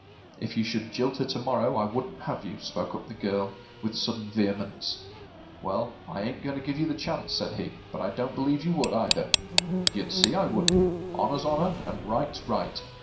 ” “If you should jilt her to morrow, I wouldn't have you,” spoke up the girl, with sudden vehemence. “Well, I ain't going to give you the chance,” said he; “but I don't believe you would, either.” “You'd see I wouldn't. Honor's honor, an' right's right.